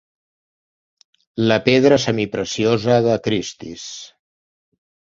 La pedra semipreciosa de Christie's.